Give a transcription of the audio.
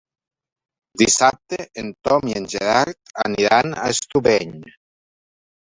Dissabte en Tom i en Gerard aniran a Estubeny.